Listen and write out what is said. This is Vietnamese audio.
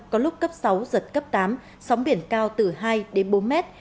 có lúc cấp sáu giật cấp tám sóng biển cao từ hai đến bốn mét